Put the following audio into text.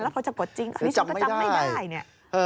เขาจะกดจริงอันนี้ฉันก็จำไม่ได้เนี่ย